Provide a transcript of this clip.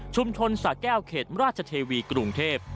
ชุมชนศาแก้วเขตรราชเทวีกรุงเทพฯ